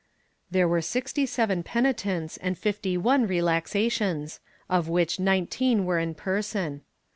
There were sixty seven peni tents and fifty one relaxations, of which nineteen were in person.